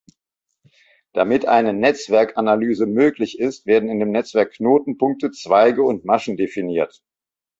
Damit eine Netzwerkanalyse möglich ist, werden in dem Netzwerk Knotenpunkte, Zweige und Maschen definiert.